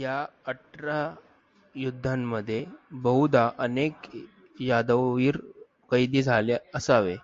या अठरा युद्धांमध्ये, बहुधा, अनेक यादववीर कैदी झाले असावे.